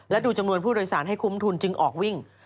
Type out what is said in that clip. และดูจำนวนผู้โดยสารให้คุ้มทุนจึงออกวิ่ง